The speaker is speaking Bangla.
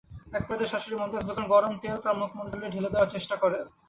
একপর্যায়ে শাশুড়ি মমতাজ বেগম গরম তেল তাঁর মুখমণ্ডলে ঢেলে দেওয়ার চেষ্টা করেন।